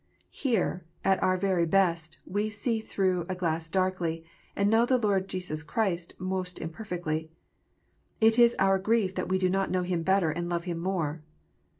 Here, at our very best, we see through a glass darkly, and know the Lord Jesus Christ most imperfectly. It is our grief that we do not know Him better and love Him more.